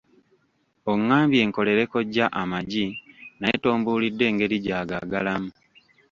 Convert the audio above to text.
Ongambye nkolere kojja amagi naye tombuulidde ngeri gy'agaagalamu.